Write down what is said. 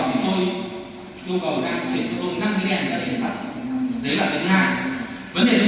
không có gì đâu không có gì đâu